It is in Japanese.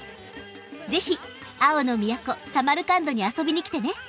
ぜひ「青の都・サマルカンド」に遊びに来てね。